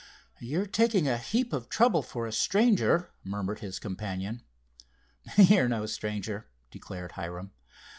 "You're taking a heap of trouble for a stranger," murmured his companion. "You're no stranger," declared Hiram.